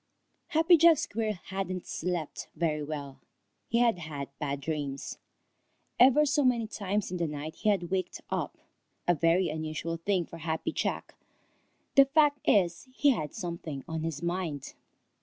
_ Happy Jack Squirrel hadn't slept very well. He had had bad dreams. Ever so many times in the night he had waked up, a very unusual thing for Happy Jack. The fact is, he had something on his mind.